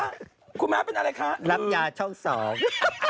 รับยาช่อง๒